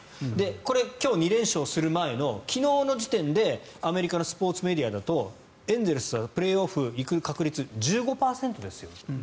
これ、今日２連勝する前の昨日の時点でアメリカのスポーツメディアだとエンゼルスはプレーオフに行く確率１５％ですよと。